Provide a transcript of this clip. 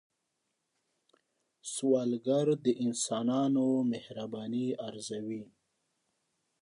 سوالګر د انسانانو مهرباني ارزوي